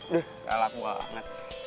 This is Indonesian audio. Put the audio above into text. duh galak banget